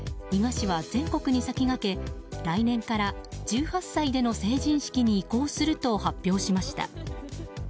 伊賀市は全国に先駆け来年から１８歳での成人式に移行すると発表しました。